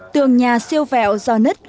tường nhà siêu vẹo do nứt